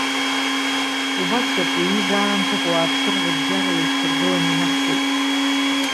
Убас ауп, уи аҩыза аамҭақәа ауааԥсыра рыбжьара иеишьҭаргыланы инаҳгоит.